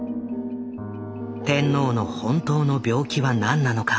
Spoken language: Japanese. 天皇の本当の病気は何なのか。